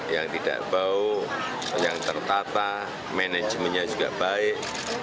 yang tidak bau yang tertata manajemennya juga baik